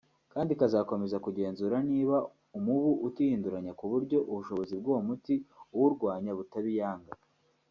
Kandi ikazanakomeza kugenzura niba umubu utihinduranya ku buryo ubushobozi bw’uwo muti uwurwanya butaba iyanga